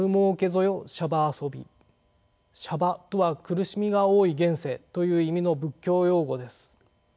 「娑婆」とは「苦しみが多い現世」という意味の仏教用語です。